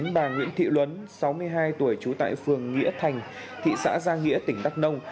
bà nguyễn thị luấn sáu mươi hai tuổi trú tại phường nghĩa thành thị xã giang nghĩa tỉnh đắk nông